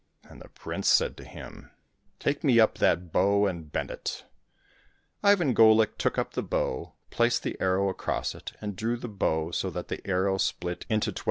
And the prince said to him, " Take me up that bow and bend it !" Ivan Golik took up the bow, placed the arrow across it, and drew the bow so that the arrow split into twelve * A pood = forty pounds.